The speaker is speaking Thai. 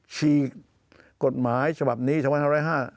ฉีกกฎหมายฉบับนี้ชะวันธรรม๑๐๕